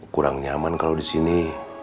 kurang nyaman kalau di sini